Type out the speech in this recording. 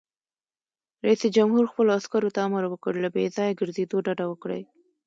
رئیس جمهور خپلو عسکرو ته امر وکړ؛ له بې ځایه ګرځېدو ډډه وکړئ!